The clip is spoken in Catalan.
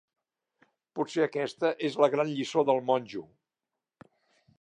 Potser aquesta és la gran lliçó del monjo.